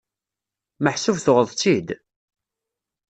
Meḥsub tuɣeḍ-tt-id?